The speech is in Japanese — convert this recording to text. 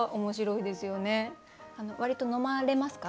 割と飲まれますか？